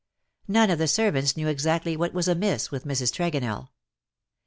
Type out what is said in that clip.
None of the servants knew exactly what was amiss with Mrs. Tregonell.